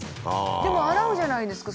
でも洗うじゃないですか。